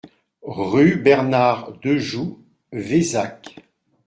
Rue Bernard Dejou, Vézac